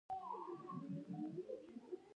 نرم لرګي د کور جوړولو لپاره دي.